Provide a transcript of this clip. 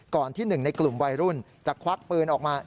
ที่หนึ่งในกลุ่มวัยรุ่นจะควักปืนออกมา